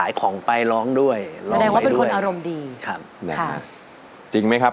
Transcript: ของไปร้องด้วยแสดงว่าเป็นคนอารมณ์ดีครับนะฮะจริงไหมครับ